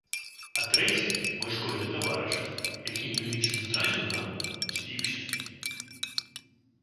А трэці, мой школьны таварыш, які, мы лічым, здрадзіў нам, спіўся.